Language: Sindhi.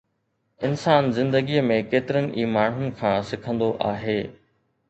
انسان زندگيءَ ۾ ڪيترن ئي ماڻهن کان سکندو آهي.